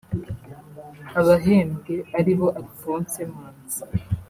Abahembwe ari bo Alphonse Manzi